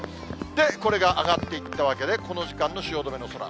これが上がっていったわけで、この時間の汐留の空。